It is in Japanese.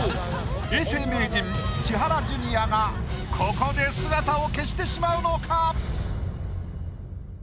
永世名人千原ジュニアがここで姿を消してしまうのか？